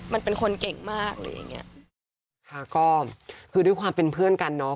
มันเป็นคนเก่งมากอะไรอย่างเงี้ยค่ะก็คือด้วยความเป็นเพื่อนกันเนอะ